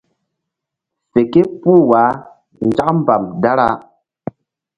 Fe képuh wah nzak mbam dara.